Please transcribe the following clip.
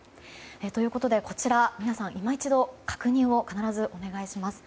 ということで、皆さん今一度確認を必ずお願いします。